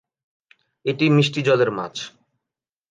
এটি মিষ্টি জলের মাছ।